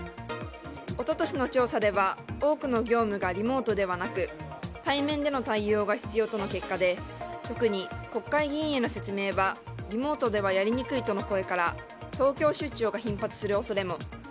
一昨年の調査では多くの業務が、リモートではなく対面での対応が必要との結果で特に、国会議員への説明はリモートではやりにくいとの声から東京出張が頻発する恐れも。